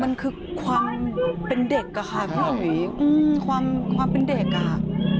มันคือความเป็นเด็กอะค่ะความเป็นเด็กอ่ะ